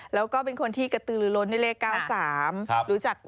แล้วก็เป็นคนที่กระตือรือล้นในเลข๙๓